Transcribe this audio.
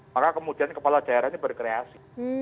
maka kemudian kepala daerah ini berkreasi